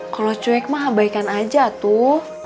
kalau cuek mah abaikan aja tuh